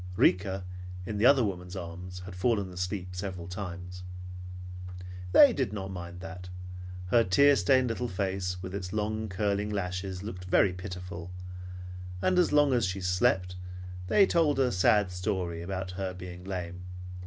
Rika, in the other woman's arms, had fallen asleep several times. They did not mind that; her tear stained little face with its long, curling lashes looked very pitiful, and as long as she slept they told a sad story, about her being lame.